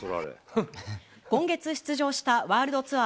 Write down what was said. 今月出場した、ワールドツアー